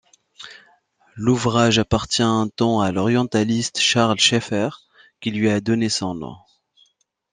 L'ouvrage appartient un temps à l'orientaliste Charles Schefer, qui lui a donné son nom.